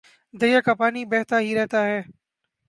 دریا کا پانی بہتا ہی رہتا ہے